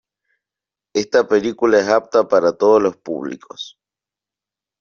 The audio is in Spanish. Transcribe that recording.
Esta película es apta para todos los públicos.